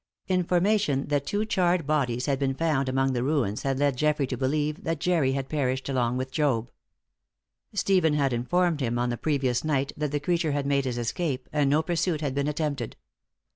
Information that two charred bodies had been found among the ruins had led Geoffrey to believe that Jerry had perished along with Job. Stephen had informed him on the previous night that the creature had made his escape, and no pursuit had been attempted.